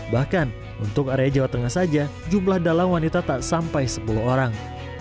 bahkan untuk area jawa tengah saja jumlah dalang wanita tak sampai sepuluh orang